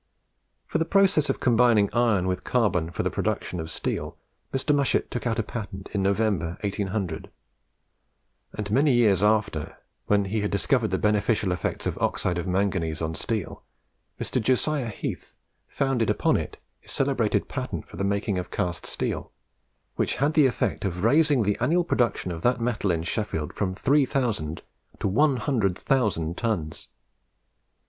For the process of combining iron with carbon for the production of steel, Mr. Mushet took out a patent in November, 1800; and many years after, when he had discovered the beneficial effects of oxide of manganese on steel, Mr. Josiah Heath founded upon it his celebrated patent for the making of cast steel, which had the effect of raising the annual production of that metal in Sheffield from 3000 to 100,000 tons.